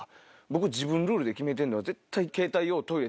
僕自分ルールで決めてるのは。